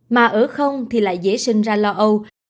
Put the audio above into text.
mà ở không thì lại dễ sinh ra lo âu